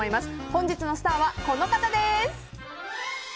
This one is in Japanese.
本日のスターはこの方です。